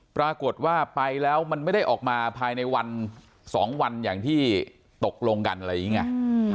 ปรากฏว่าไปแล้วมันไม่ได้ออกมาภายในวัน๒วันอย่างที่ตกลงกันอะไรอย่างนี้ไง